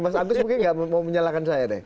mas antus mungkin gak mau menyalahkan saya deh